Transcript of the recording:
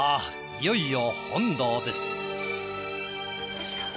いよいよ本堂です。